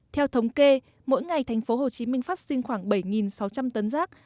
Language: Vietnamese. theo thống kê mỗi ngày tp hcm phát sinh khoảng bảy sáu trăm linh tấn rác